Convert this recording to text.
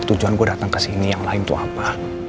tujuan gue dateng kesini yang lain tuh apa